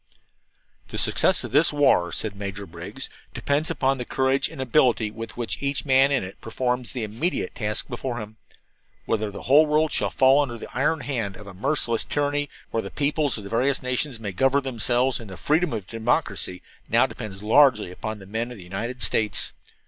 "The success of this war," said Major Briggs, "depends upon the courage and ability with which each man in it performs the immediate task before him. Whether the whole world shall fall under the iron hand of a merciless tyranny, or the peoples of the various nations may govern themselves in the freedom of democracy, now depends largely upon the men of the United States.